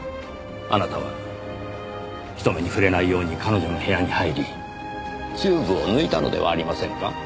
あなたは人目に触れないように彼女の部屋に入りチューブを抜いたのではありませんか？